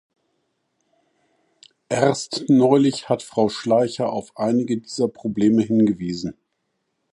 Erst neulich hat Frau Schleicher auf einige dieser Probleme hingewiesen.